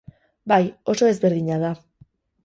Bai, oso ezberdina da.